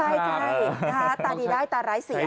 ใช่ตาดีร้ายตาไร้เสียค่ะ